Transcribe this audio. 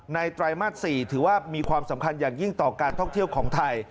ไตรมาส๔ถือว่ามีความสำคัญอย่างยิ่งต่อการท่องเที่ยวของไทย